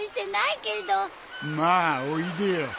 まあおいでよ。